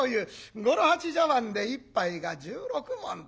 五郎八茶碗で１杯が１６文という。